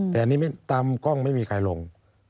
แต่อันนี้ตามกล้องไม่มีใครลง